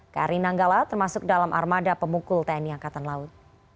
kri nanggala termasuk dalam armada pemukul tni angkatan laut